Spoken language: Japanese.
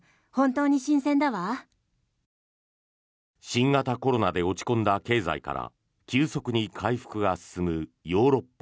新型コロナで落ち込んだ経済から急速に回復が進むヨーロッパ。